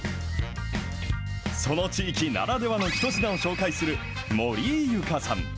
その地域ならではの一品を紹介する、森井ユカさん。